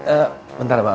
eh bentar wak